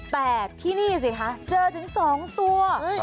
แต่ที่นี่สิคะเจอถึง๒ตัว